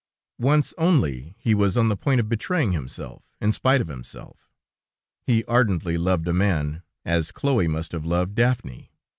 "Once only he was on the point of betraying himself, in spite of himself. He ardently loved a man, as Chloe must have loved Daphnis.